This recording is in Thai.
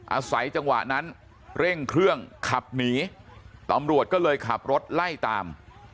อาศัยจังหวะนั้นเร่งเครื่องขับหนีตำรวจก็เลยขับรถไล่ตาม